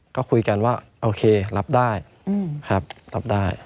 ก็คุยกันว่าโอเครับได้ครับรับได้